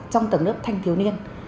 trong tầng nước thanh thiếu niên